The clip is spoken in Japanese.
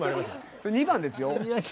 それ２番ですよ。